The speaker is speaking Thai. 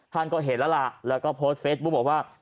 ท่านก็เห็นแล้วล่ะแล้วก็โพสต์เฟซบุ๊คบอกว่า